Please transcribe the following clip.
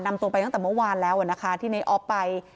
นำตัวไปตั้งแต่เมื่อวานแล้วนะคะที่ในออฟไป